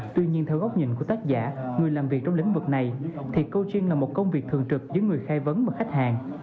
tuy nhiên theo góc nhìn của tác giả người làm việc trong lĩnh vực này thì cochin là một công việc thường trực giữa người khai vấn và khách hàng